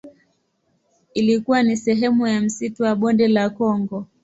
Ilikuwa ni sehemu ya msitu wa Bonde la Kongo.